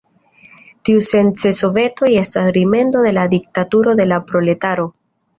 Tiusence sovetoj estas rimedo de la diktaturo de la proletaro.